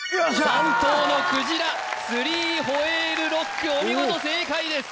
３頭のクジラスリーホエールロックお見事正解です